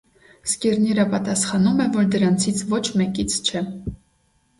Սկիրնիրը պատասխանում է, որ դրանցից ոչ մեկից չէ։